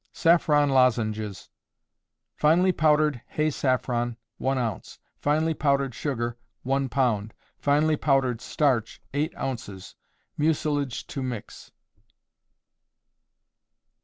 Saffron Lozenges. Finely powdered hay saffron, 1 ounce; finely powdered sugar, 1 pound; finely powdered starch, 8 ounces. Mucilage to mix.